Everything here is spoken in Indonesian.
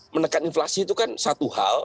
menekan inflasi itu kan satu hal